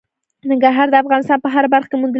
ننګرهار د افغانستان په هره برخه کې موندل کېږي.